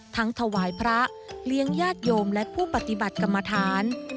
ถวายพระเลี้ยงญาติโยมและผู้ปฏิบัติกรรมฐาน